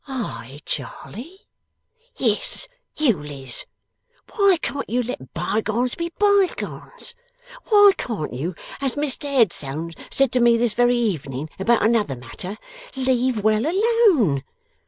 'I, Charley?' 'Yes, you, Liz. Why can't you let bygones be bygones? Why can't you, as Mr Headstone said to me this very evening about another matter, leave well alone?